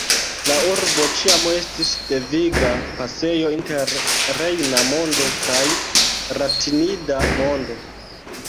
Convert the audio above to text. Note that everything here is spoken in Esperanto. La urbo ĉiam estis deviga pasejo inter rejna mondo kaj latinida mondo.